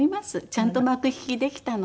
ちゃんと幕引きできたので。